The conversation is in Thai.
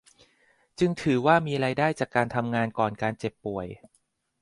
จึงถือว่ามีรายได้จากการทำงานก่อนการเจ็บป่วย